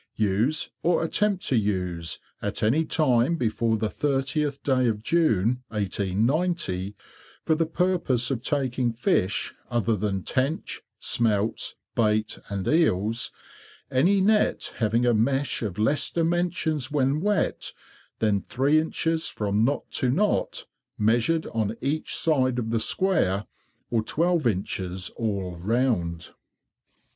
2. Use or attempt to use, at any time before the 30th day of June, 1890, for the purpose of taking Fish, other than Tench, Smelts, Bait, and Eels, any Net having a mesh of less dimensions when wet than three inches from knot to knot, measured on each side of the square, or twelve inches all round.